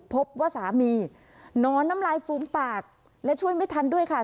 พบว่าสามีนอนน้ำลายฟูมปากและช่วยไม่ทันด้วยค่ะ